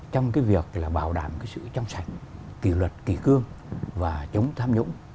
trong cái việc là bảo đảm cái sự trong sạch kỳ luật kỳ cương và chống tham nhũng